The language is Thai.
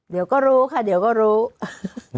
เดี๋ยวก็รู้ค่ะเดี๋ยวก็รู้